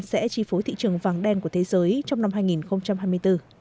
sẽ chi phối thị trường vàng đen của thế giới trong năm hai nghìn hai mươi bốn